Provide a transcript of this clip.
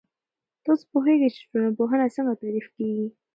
تاسو پوهیږئ چې ټولنپوهنه څنګه تعريف کیږي؟